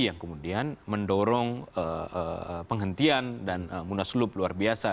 yang kemudian mendorong penghentian dan mudah selup luar biasa